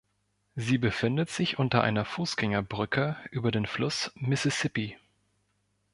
Sie befindet sich unter einer Fußgängerbrücke über den Fluss Mississippi.